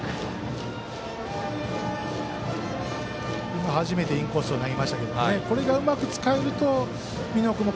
今、初めてインコースに投げましたけどこれがうまく使えると美濃君も